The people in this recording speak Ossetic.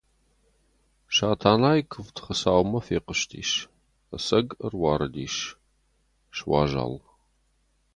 Сатанайы куывд Хуыцаумӕ фехъуыстис, ӕцӕг ӕруарыдис, суазал.